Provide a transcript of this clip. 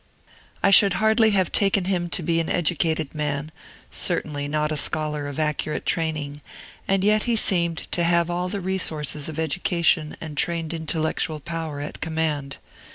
I should hardly have taken him to be an educated man, certainly not a scholar of accurate training; and yet he seemed to have all the resources of education and trained intellectual power at command.